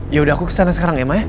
yaudah aku kesana sekarang ya ma ya